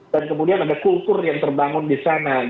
dan kemudian ada kultur yang terbangun di sana